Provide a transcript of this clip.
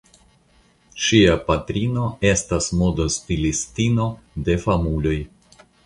Ŝia patrino estas modostilistino de famuloj.